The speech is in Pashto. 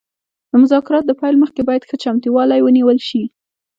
د مذاکراتو د پیل مخکې باید ښه چمتووالی ونیول شي